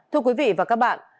thưa quý vị và các bạn